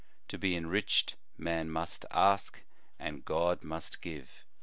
To be enriched, man must ask, and God must give.